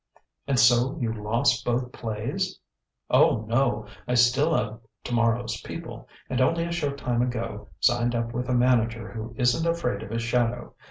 '" "And so you lost both plays?" "Oh, no; I still have 'Tomorrow's People,' and only a short time ago signed up with a manager who isn't afraid of his shadow.